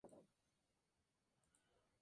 Tras la guerra, pasó algunos años en prisión.